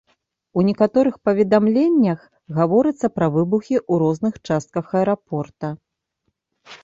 У некаторых паведамленнях гаворыцца пра выбухі ў розных частках аэрапорта.